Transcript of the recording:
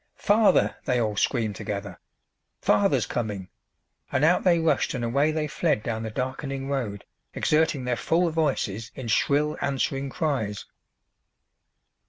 "Father!" they all screamed together. "Father's coming!" and out they rushed and away they fled down the darkening road, exerting their full voices in shrill answering cries.